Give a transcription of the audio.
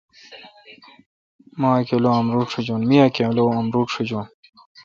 می اہ کلو امرود شجون۔